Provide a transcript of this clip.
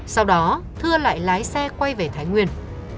sau đó thưa lại lái xe quay về thái nguyên